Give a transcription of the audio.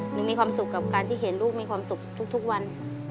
มีความสุขกับการที่เห็นลูกมีความสุขทุกวัน